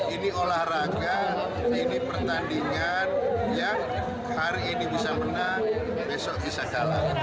ini olahraga ini pertandingan yang hari ini bisa menang besok bisa kalah